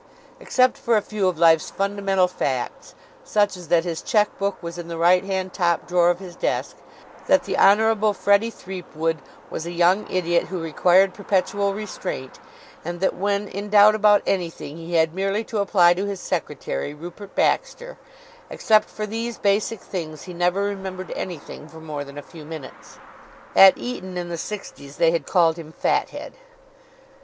Except for a few of life's fundamental facts, such as that his check book was in the right hand top drawer of his desk; that the Honorable Freddie Threepwood was a young idiot who required perpetual restraint; and that when in doubt about anything he had merely to apply to his secretary, Rupert Baxter except for these basic things, he never remembered anything for more than a few minutes. At Eton, in the sixties, they had called him Fathead.